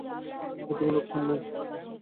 আমাকে তেমন লোক পান নাই।